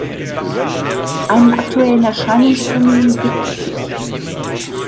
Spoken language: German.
Einen aktuellen Erscheinungstermin gibt es nicht.